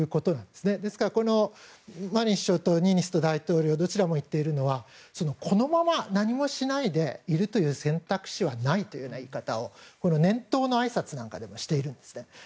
ですから、マリン首相とニーニスト大統領どちらも言っているのはこのまま何もしないでいるという選択肢はないという言い方を年頭のあいさつなんかでもしているんですね。